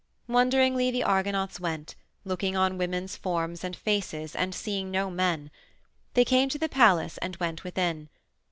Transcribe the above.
Wonderingly the Argonauts went, looking on women's forms and faces and seeing no men. They came to the palace and went within.